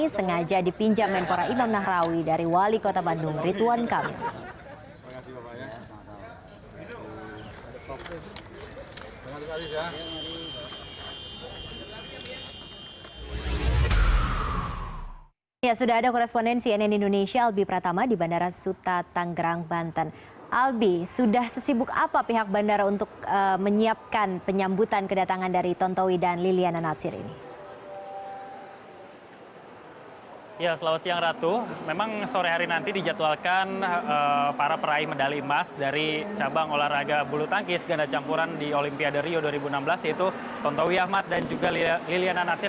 sengaja dipinjam menpora imam nahrawi dari wali kota bandung rituan kamil